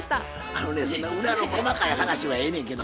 あのねそんな裏の細かい話はええねんけど。